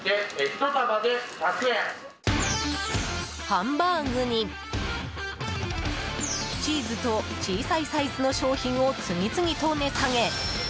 ハンバーグにチーズと小さいサイズの商品を次々と値下げ。